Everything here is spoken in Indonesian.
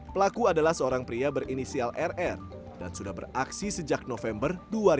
pelaku adalah seorang pria berinisial rr dan sudah beraksi sejak november dua ribu dua puluh